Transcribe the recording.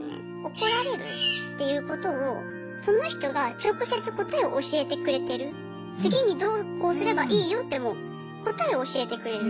怒られるっていうことをその人が直接答えを教えてくれてる次にどうこうすればいいよってもう答えを教えてくれる。